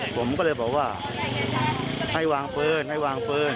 ผมก็เลยบอกว่าให้วางปืนให้วางปืน